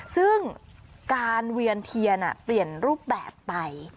ซึ่งการเวียนเทียนเปลี่ยนรูปแบบไป